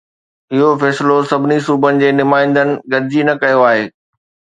اهو فيصلو سڀني صوبن جي نمائندن گڏجي نه ڪيو آهي.